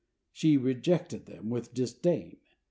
She rejected them with disdain.